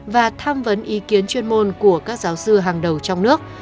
và tham vấn ý kiến chuyên môn của các giáo sư hàng đầu trong nước